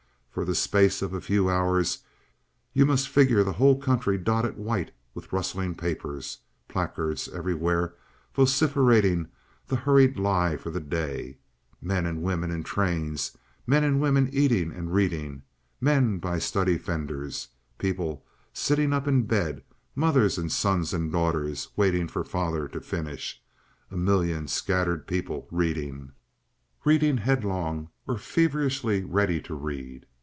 For the space of a few hours you must figure the whole country dotted white with rustling papers—placards everywhere vociferating the hurried lie for the day; men and women in trains, men and women eating and reading, men by study fenders, people sitting up in bed, mothers and sons and daughters waiting for father to finish—a million scattered people reading—reading headlong—or feverishly ready to read.